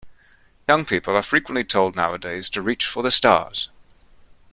Young people are frequently told nowadays to reach for the stars.